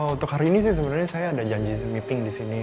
untuk hari ini sih sebenarnya saya ada janji meeting di sini